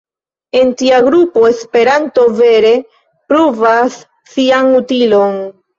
En tia grupo Esperanto vere pruvas sian utilon.